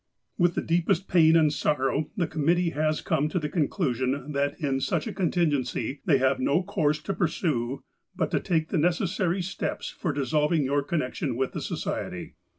" With the deepest pain and sorrow the committee has come to the conclusion, that in such a contingency they have no course to pursue, but to take the necessary steps for dissolving your connection with the Society.